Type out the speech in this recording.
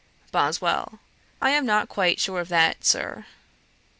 BOSWELL. 'I am not quite sure of that, Sir.'